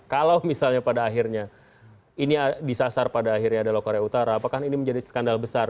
kalau misalnya pada akhirnya ini disasar pada akhirnya adalah korea utara apakah ini menjadi skandal besar